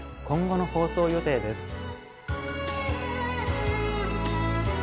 今後の放送予定です。